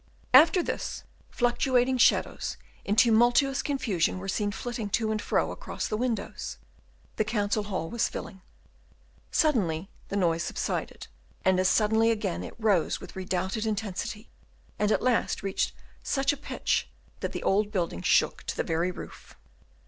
After this, fluctuating shadows in tumultuous confusion were seen flitting to and fro across the windows: the council hall was filling. Suddenly the noise subsided, and as suddenly again it rose with redoubled intensity, and at last reached such a pitch that the old building shook to the very roof.